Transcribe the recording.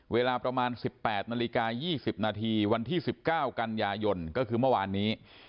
เวลาประมาณ๑๘นาฬิกา๒๐นาทีวันที่๑๙กันยายนก็คือเมื่อวานนี้